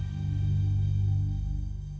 โปรดติดตามตอนต่อไป